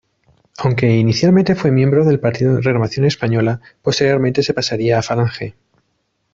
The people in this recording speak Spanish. Aunque inicialmente fue miembro del partido Renovación Española, posteriormente se pasaría a Falange.